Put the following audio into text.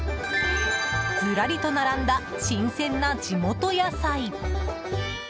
ずらりと並んだ新鮮な地元野菜。